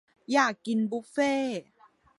อยากกินบุฟเฟ่